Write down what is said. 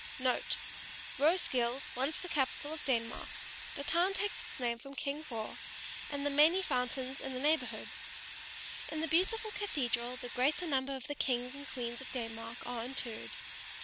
* *Roeskilde, once the capital of Denmark. The town takes its name from King Hroar, and the many fountains in the neighborhood. In the beautiful cathedral the greater number of the kings and queens of Denmark are interred.